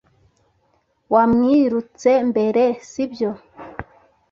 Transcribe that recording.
Wamwirutse mbere, sibyo?